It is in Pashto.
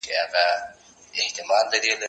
زه به اوږده موده شګه پاکه کړې وم!.